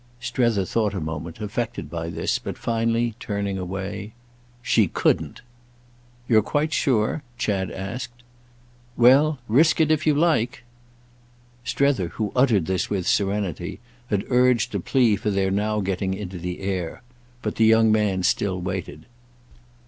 Strether thought a moment, affected by this, but finally turning away. "She couldn't!" "You're quite sure?" Chad asked. "Well, risk it if you like!" Strether, who uttered this with serenity, had urged a plea for their now getting into the air; but the young man still waited.